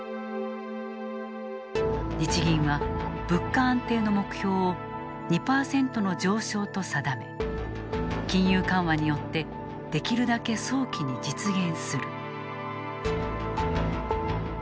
日銀は物価安定の目標を２％の上昇と定め金融緩和によってできるだけ早期に実現する。